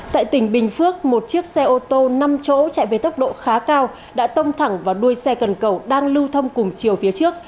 tại tỉnh bình phước một chiếc xe ô tô năm chỗ chạy với tốc độ khá cao đã tông thẳng vào đuôi xe cần cầu đang lưu thông cùng chiều phía trước